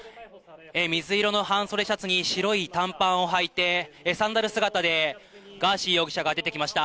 水色の半袖シャツに白い短パンをはいて、サンダル姿でガーシー容疑者が出てきました。